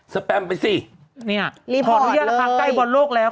สแปมไปสิรีพอร์ตเลยนี่พอทุกท่านค่ะใกล้บอลโลกแล้ว